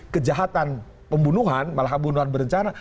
kejahatan pembunuhan malah pembunuhan berencana